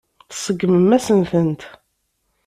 Tseggmem-asen-tent.